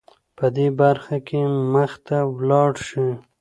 په دې برخه کې مخته ولاړه شې .